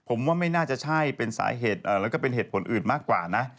ผมว่าไม่น่าจะใช่เป็นสาเหตุแล้วก็เป็นเหตุผลอื่นมากกว่านะ